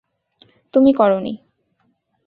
তুমি করোনি।